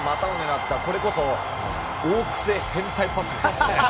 これこそ大癖変態パスですよ。